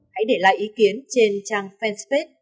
hãy để lại ý kiến trên trang fan space